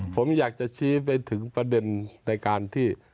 ผมอยากจะชี้ไปถึงประเด็นในการที่